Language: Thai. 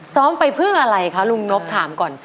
ซ้อมไปเพื่ออะไรคะลุงนบถามก่อน